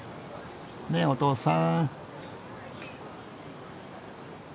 ねっお父さん。